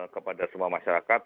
kepada semua masyarakat